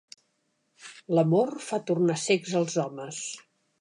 L'amor fa tornar cecs els homes.